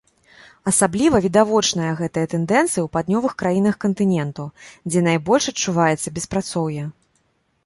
Асабліва відавочная гэтая тэндэнцыя ў паўднёвых краінах кантыненту, дзе найбольш адчуваецца беспрацоўе.